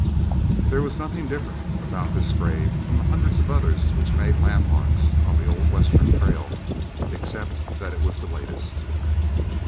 There was nothing different about this grave from the hundreds of others which made landmarks on the Old Western Trail, except it was the latest.